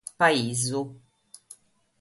Paisu